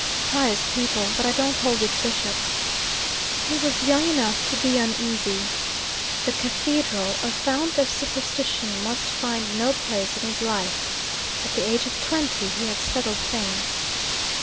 "Pious people. But I don't hold with bishops." He was young enough to be uneasy. The cathedral, a fount of superstition, must find no place in his life. At the age of twenty he had settled things.